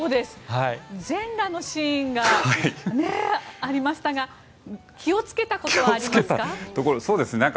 全裸のシーンがありましたが気を付けたことはありますか？